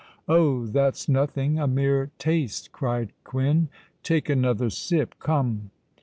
"Oh! that's nothink—a mere taste!" cried Quin. "Take another sip. Come."